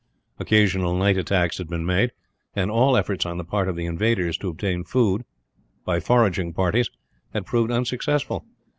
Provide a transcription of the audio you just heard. Occasional night attacks had been made, and all efforts on the part of the invaders to obtain food, by foraging parties, had proved unsuccessful.